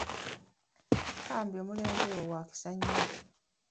Bambi omulenzi oyo wakisa nnyo.